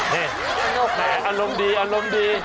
นี่แหละอารมณ์ดี